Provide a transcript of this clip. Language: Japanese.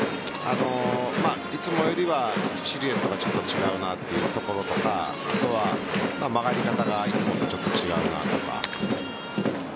いつもよりはシルエットがちょっと違うなというところとか曲がり方がいつもとちょっと違うなとか。